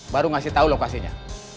baru ngasih tau lokasinya